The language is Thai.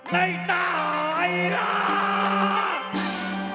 ทางร่องแบบนี้รึเปล่าครับ